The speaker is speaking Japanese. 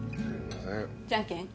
じゃんけん？